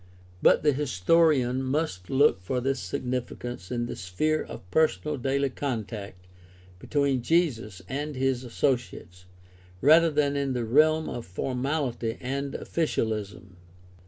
But the historian must look for this significance in the sphere of personal daily contact between Jesus and his associates rather than in the realm of formality and officialism.